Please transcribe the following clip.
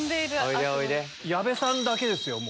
矢部さんだけですよ。